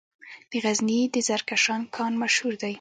د غزني د زرکشان کان مشهور دی